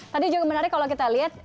tadi juga menarik kalau kita lihat